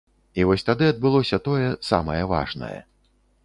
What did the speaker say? І вось тады адбылося тое самае важнае.